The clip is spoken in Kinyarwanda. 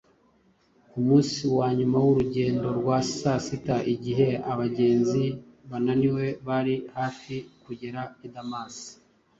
Ku munsi wa nyuma w’urugendo rwe, saa sita, igihe abagenzi bananiwe bari hafi kugera i Damasi,